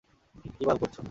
কি বাল করছো!